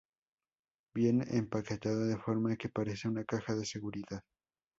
Viene empaquetado de forma que parece una caja de seguridad.